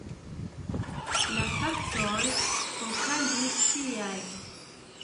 La faktoj okazis tiaj.